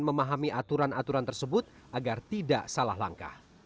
memahami aturan aturan tersebut agar tidak salah langkah